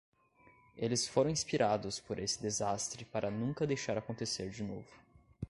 Eles foram inspirados por esse desastre para nunca deixar acontecer de novo.